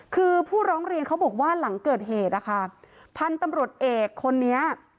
คือผู้ร้องเรียนเขาบอกว่าหลังเกิดเหตุนะคะพันธุ์ตำรวจเอกคนนี้